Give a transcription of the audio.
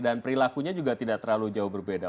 dan perilakunya juga tidak terlalu jauh berbeda